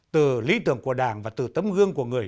từ lý tưởng của đảng và từ tấm gương của người